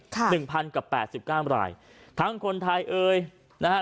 หนึ่งพันกับแปดสิบเก้ารายทั้งคนไทยเอ่ยนะฮะ